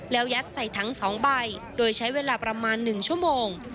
แล้วยัดใส่ถัง๒ใบโดยใช้เวลาประมาณ๑ชั่วโมง